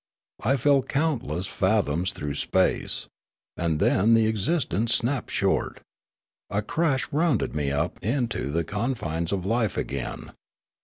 I fell countless fathoms through space. And then the existence snapped short ; a crash rounded me up into the con fines of life again.